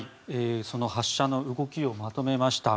その発射の動きをまとめました。